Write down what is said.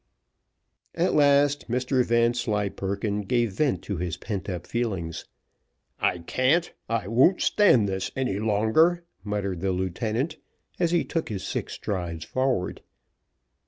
At last, Mr Vanslyperken gave vent to his pent up feelings. "I can't, I won't stand this any longer," muttered the lieutenant, as he took his six strides forward.